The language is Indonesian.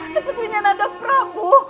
sepertinya nanda prabu